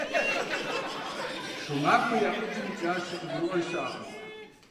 Шумахуэ и акъылым икӀащи, къыгурыӀуэж щыӀэкъым.